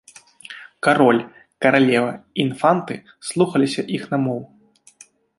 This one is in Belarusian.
Кароль, каралева і інфанты слухаліся іх намоў.